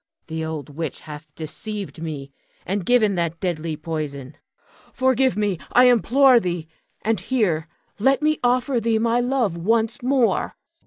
The old witch hath deceived me, and given that deadly poison. Forgive me, I implore thee, and here let me offer thee my love once more.